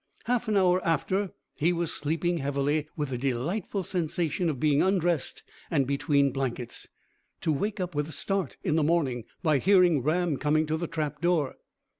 Half an hour after, he was sleeping heavily, with the delightful sensation of being undressed and between blankets, to wake up with a start in the morning, by hearing Ram coming to the trap door.